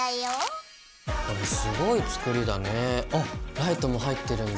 ライトも入ってるんだ。